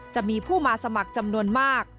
จะมีผู้มาสมัครจำนวนมาก